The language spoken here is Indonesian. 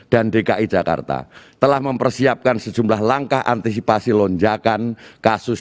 dan dki jakarta telah mempersiapkan sejumlah langkah antisipasi lonjakan kasus